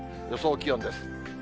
予想気温です。